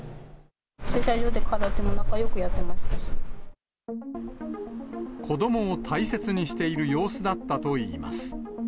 駐車場で空手も仲よくやって子どもを大切にしている様子だったといいます。